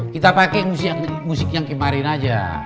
kita pakai musik yang kemarin aja